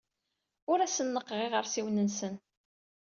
Ur asen-neɣɣeɣ iɣersiwen-nsen.